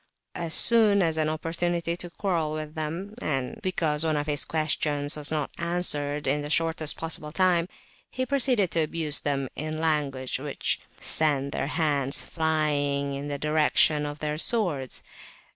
He soon found an opportunity to quarrel with them; and, because one of his questions was not answered in the shortest possible time, he proceeded to abuse them in language which sent their hands flying in the direction of their swords.